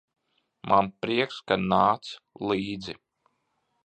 Man prieks, ka nāc līdzi.